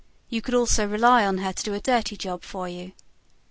You could also rely on her to do a dirty job for you.